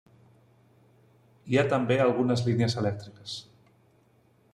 Hi ha també algunes línies elèctriques.